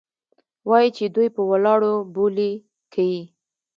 وايي چې دوى په ولاړو بولې کيې.